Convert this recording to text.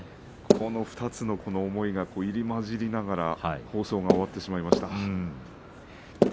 ２つの思いが入り交じりながら放送が終わってしまいました。